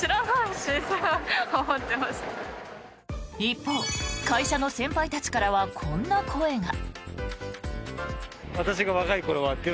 一方、会社の先輩たちからはこんな声が。